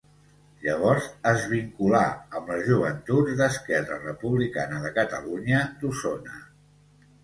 Llavors es vinculà amb les Joventuts d'Esquerra Republicana de Catalunya d'Osona.